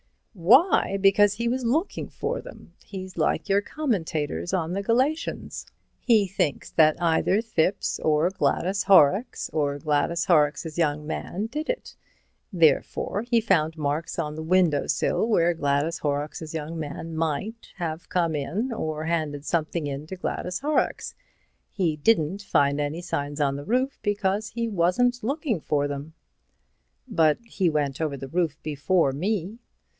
"Why? Because he was looking for them. He's like your commentators on Galatians. He thinks that either Thipps, or Gladys Horrocks, or Gladys Horrocks's young man did it. Therefore he found marks on the window sill where Gladys Horrocks's young man might have come in or handed something in to Gladys Horrocks. He didn't find any signs on the roof, because he wasn't looking for them." "But he went over the roof before me."